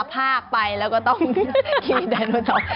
พากไปแล้วก็ต้องขี่ไดโนเสาร์